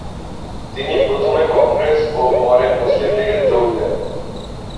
তিনি প্রথমে কংগ্রেস ও পরে মুসলিম লীগে যোগ দেন।